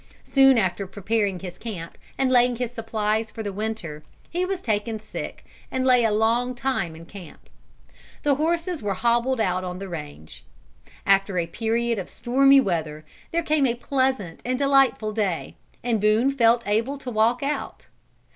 Soon after preparing his camp and laying in his supplies for the winter, he was taken sick and lay a long time in camp. The horses were hobbled out on the range. After a period of stormy weather, there came a pleasant and delightful day, and Boone felt able to walk out.